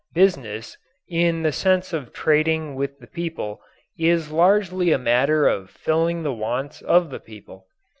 "Business" in the sense of trading with the people is largely a matter of filling the wants of the people.